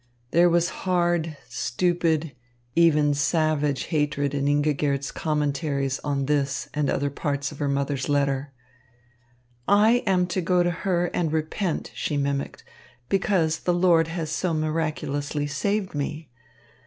There was hard, stupid, even savage hatred in Ingigerd's commentaries on this and other parts of her mother's letter. "I am to go to her and repent," she mimicked, "because the Lord has so miraculously saved me.